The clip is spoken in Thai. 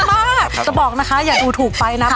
มากจะบอกนะคะอย่าดูถูกไปนะ